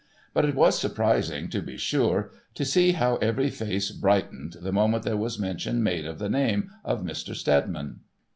But it was surprising, to be sure, to see how every face brightened the moment there was mention made of the name of Mr. Steadiman.